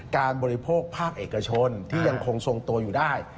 บริโภคภาคเอกชนที่ยังคงทรงตัวอยู่ได้